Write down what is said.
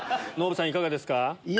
ノブさんいかがですか？